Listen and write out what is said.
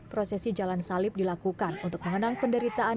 prosesi jalan salib dilakukan untuk mengenang penderitaan